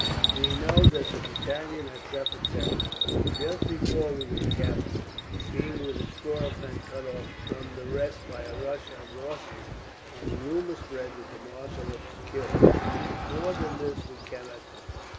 We know that the battalion had suffered terribly. Just before we were captured, being with a score of men cut off from the rest by a rush of Austrians, a rumour spread that the marshal had been killed; but more than this we cannot tell."